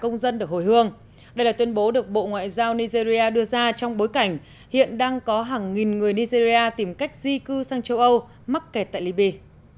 cả công dân được hồi hương đây là tuyên bố được bộ ngoại giao nigeria đưa ra trong bối cảnh hiện đang có hàng nghìn người nigeria tìm cách di cư sang châu âu mắc kẹt tại libya